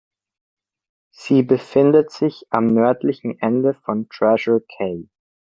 Sie befindet sich am nördlichen Ende von Treasure Cay.